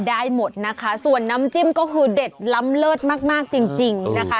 ได้หมดนะคะส่วนน้ำจิ้มก็คือเด็ดล้ำเลิศมากมากจริงจริงนะคะ